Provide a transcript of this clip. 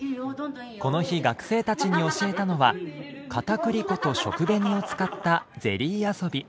この日学生たちに教えたのは片栗粉と食紅を使ったゼリー遊び。